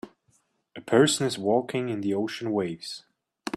A person is walking in the ocean waves.